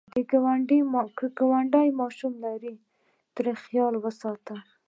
که ګاونډی ماشوم لري، ترې خیال وساته